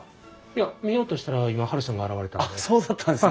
いや見ようとしたら今ハルさんが現れたんで。